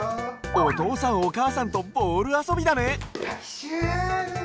おとうさんおかあさんとボールあそびだね！